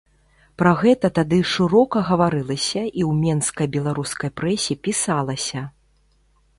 Пра гэта тады шырока гаварылася і ў менскай беларускай прэсе пісалася.